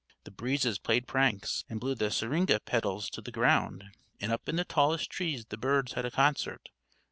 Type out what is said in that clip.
The breezes played pranks, and blew the syringa petals to the ground, and up in the tallest trees the birds had a concert.